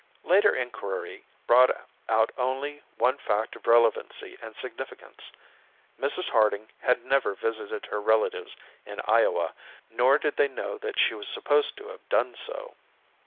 Later inquiry brought out only one fact of relevancy and significance: Mrs. Harding had never visited her relatives in Iowa, nor did they know that she was supposed to have done so.